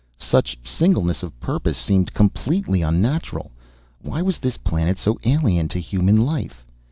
Such singleness of purpose seemed completely unnatural. Why was this planet so alien to human life?